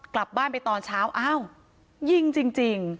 กลับบ้านไปตอนเช้าอ้าวยิงจริง